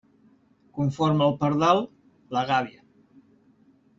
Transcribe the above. Conforme el pardal, la gàbia.